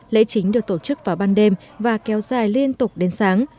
lễ chính được tổ chức vào ban đêm và kéo dài liên tục đến sáng